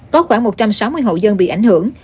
có khoảng một trăm sáu mươi hộ dân bị ảnh hưởng